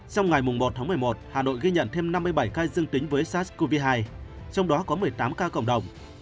trong ngày một tháng một mươi một hà nội ghi nhận thêm năm mươi bảy ca dương tính với sars cov hai trong đó có một mươi tám ca cộng đồng